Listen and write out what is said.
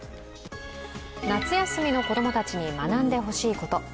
夏休みの子供たちに学んでほしいこと。